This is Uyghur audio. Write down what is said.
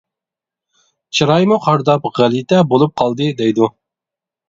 چىرايىمۇ قارىداپ غەلىتە بولۇپ قالدى، دەيدۇ.